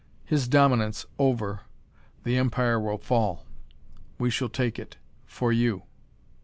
His dominance over, the empire will fall. We shall take it for you."